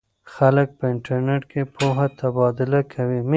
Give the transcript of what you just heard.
خلک په انټرنیټ کې پوهه تبادله کوي.